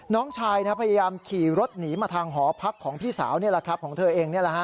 น้องชายพยายามขี่รถหนีมาทางหอพักของพี่สาวของเธอเอง